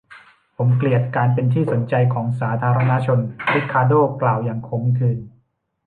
ผมเกลียดการเป็นที่สนใจของสาธารณะชน ริคาร์โด้กล่าวอย่างขมขื่น